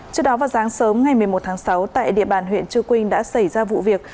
trước đó vào sáng sớm ngày một mươi một tháng sáu tại địa bàn huyện chư quynh đã xảy ra vụ việc